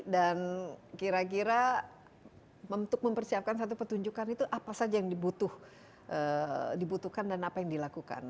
dan kira kira untuk mempersiapkan satu petunjukan itu apa saja yang dibutuhkan dan apa yang dilakukan